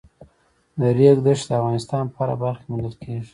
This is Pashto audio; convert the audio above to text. د ریګ دښتې د افغانستان په هره برخه کې موندل کېږي.